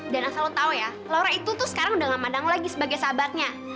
dan asal lo tahu ya laura itu tuh sekarang udah nggak mandang lagi sebagai sahabatnya